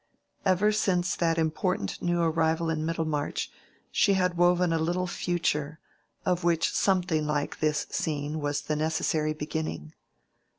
Ever since that important new arrival in Middlemarch she had woven a little future, of which something like this scene was the necessary beginning.